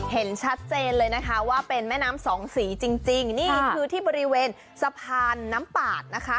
เห็นชัดเจนเลยนะคะว่าเป็นแม่น้ำสองสีจริงนี่คือที่บริเวณสะพานน้ำปาดนะคะ